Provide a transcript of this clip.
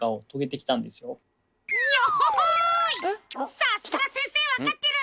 さすが先生分かってる。